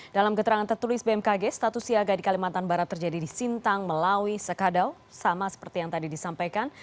dalam keterangan tertulis bmkg status siaga di kalimantan barat terjadi di sintang melawi sekadau sama seperti yang tadi disampaikan